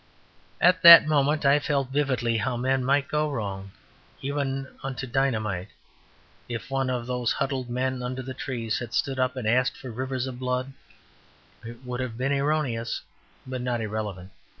At that moment I felt vividly how men might go wrong, even unto dynamite. If one of those huddled men under the trees had stood up and asked for rivers of blood, it would have been erroneous but not irrelevant.